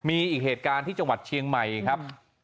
มีอีกเหตุการณ์ที่จังหวัดเชียงใหม่ครับ